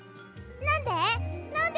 なんで？